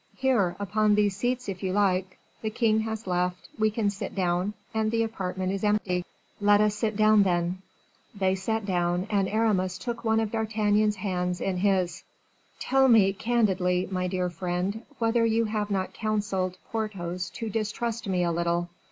"Here, upon these seats if you like; the king has left, we can sit down, and the apartment is empty." "Let us sit down, then." They sat down, and Aramis took one of D'Artagnan's hands in his. "Tell me, candidly, my dear friend, whether you have not counseled Porthos to distrust me a little?"